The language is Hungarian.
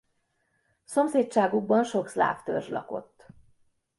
Szomszédságukban sok szláv törzs lakott.